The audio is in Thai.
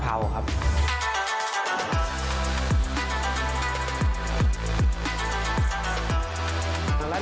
กลับมาก่อนสวัสดีครับ